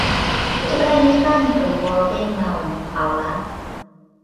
Кушеч тыгай механикым руалтен налын, ала?